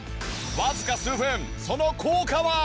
わずか数分その効果は？